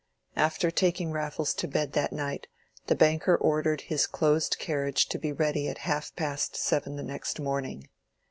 After taking Raffles to bed that night the banker ordered his closed carriage to be ready at half past seven the next morning.